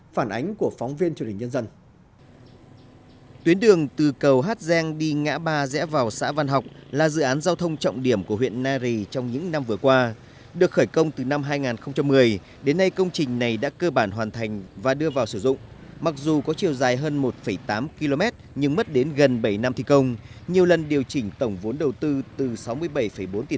phản ánh của phóng viên truyền hình nhân dân